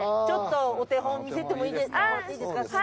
ちょっとお手本見せてもらっていいですか？